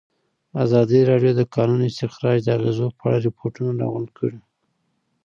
ازادي راډیو د د کانونو استخراج د اغېزو په اړه ریپوټونه راغونډ کړي.